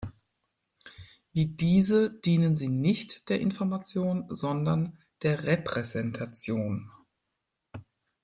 Wie diese dienen sie nicht der Information, sondern der Repräsentation“.